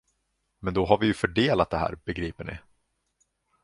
Men då har vi ju fördelat det här, begriper ni.